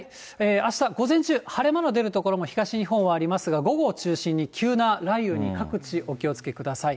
あした、午前中、晴れ間の出る所も東日本はありますが、午後を中心に急な雷雨に各地、お気をつけください。